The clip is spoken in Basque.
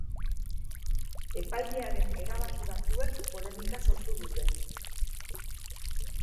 Epailearen erabaki batzuek polemika sortu dute.